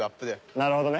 なるほどね。